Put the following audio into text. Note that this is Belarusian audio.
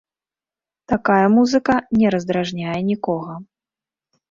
Такая музыка не раздражняе нікога.